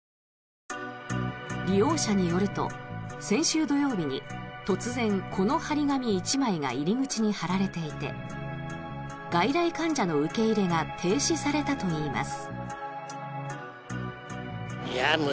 利用者によると先週土曜日に突然、この貼り紙１枚が入り口に貼られていて外来患者の受け入れが停止されたといいます。